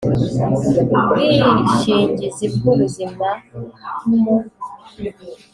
ubwishingizi bw ubuzima hmo